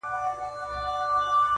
نسیم دي هر سبا راوړلای نوی نوی زېری -